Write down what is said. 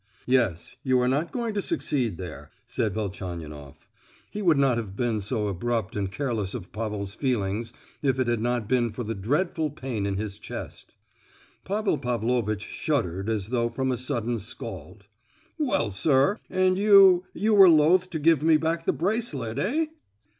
"Yes; you are not going to succeed there," said Velchaninoff. He would not have been so abrupt and careless of Pavel's feelings if it had not been for the dreadful pain in his chest. Pavel Pavlovitch shuddered as though from a sudden scald. "Well, sir, and you—you were loth to give me back the bracelet, eh?"